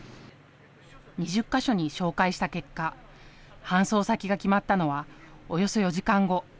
２０か所に照会した結果、搬送先が決まったのはおよそ４時間後。